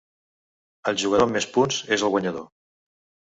El jugador amb més punts és el guanyador.